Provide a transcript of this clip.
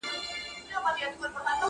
او دربار یې کړ صفا له رقیبانو٫